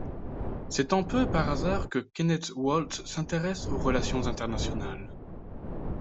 C'est un peu par hasard que Kenneth Waltz s'intéresse aux relations internationales.